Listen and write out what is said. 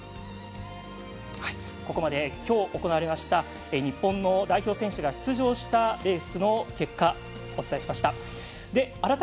ここまで、きょう行われました日本の代表選手が出場したレースの結果、お伝えしました。